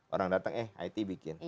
orang datang eh it bikin